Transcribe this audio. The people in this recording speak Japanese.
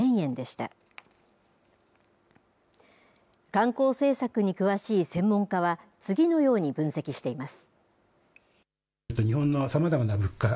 観光政策に詳しい専門家は、次のように分析しています。